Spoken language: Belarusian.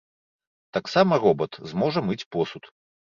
Таксама робат зможа мыць посуд.